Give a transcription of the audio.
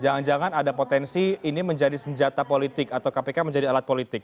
jangan jangan ada potensi ini menjadi senjata politik atau kpk menjadi alat politik